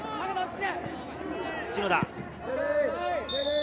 篠田。